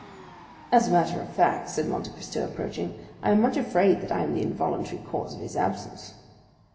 "As a matter of fact," said Monte Cristo, approaching, "I am much afraid that I am the involuntary cause of his absence."